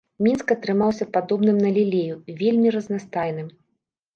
Мінск атрымаўся падобным на лілею, вельмі разнастайным.